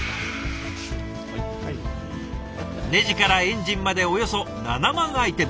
ネジからエンジンまでおよそ７万アイテム。